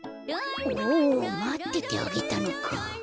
おまっててあげたのか。